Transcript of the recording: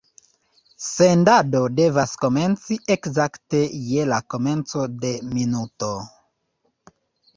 Sendado devas komenci ekzakte je la komenco de minuto.